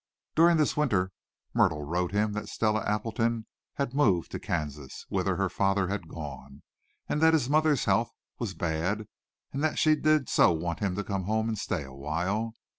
During this winter Myrtle wrote him that Stella Appleton had moved to Kansas, whither her father had gone; and that his mother's health was bad, and that she did so want him to come home and stay awhile.